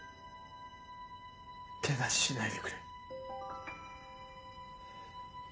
手出ししないでくれ。